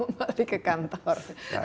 balik ke kantor